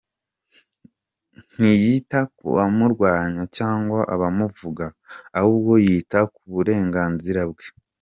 Ntiyita ku bamurwanya cyangwa abamuvuga ahubwo yita ku burenganzira bwe.